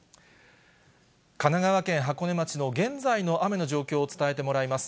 神奈川県箱根町の現在の雨の状況を伝えてもらいます。